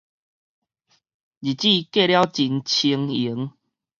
日子過了真清閒